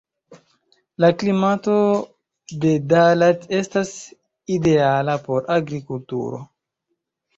La klimato de Da Lat estas ideala por agrikulturo.